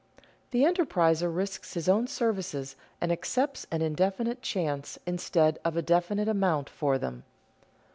_The enterpriser risks his own services and accepts an indefinite chance instead of a definite amount for them.